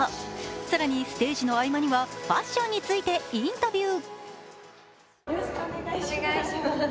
更にステージの合間には、ファッションについてインタビュー。